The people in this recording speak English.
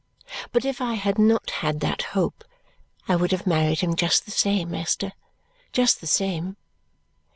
But if I had not had that hope, I would have married him just the same, Esther. Just the same!"